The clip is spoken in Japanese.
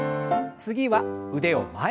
次は腕を前。